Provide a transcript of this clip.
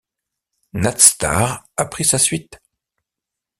Natstar a pris sa suite.